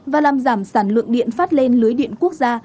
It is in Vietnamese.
và làm giảm sản lượng điện phát lên lưới điện quốc gia